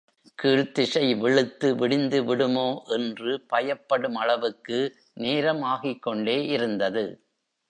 கீழ்த்திசை வெளுத்து விடிந்துவிடுமோ என்று பயப்படுமளவுக்கு நேரம் ஆகிக்கொண்டே இருந்தது.